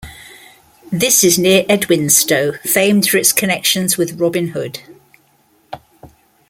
This is near Edwinstowe, famed for its connections with Robin Hood.